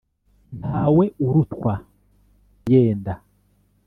Ntawe urutwa yenda.